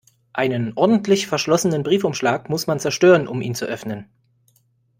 Einen ordentlich verschlossenen Briefumschlag muss man zerstören, um ihn zu öffnen.